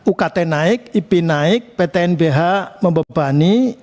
ukt naik ip naik ptnbh membebani